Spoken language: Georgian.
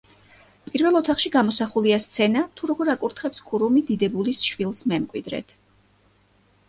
პირველ ოთახში გამოსახულია სცენა, თუ როგორ აკურთხებს ქურუმი დიდებულის შვილს მემკვიდრედ.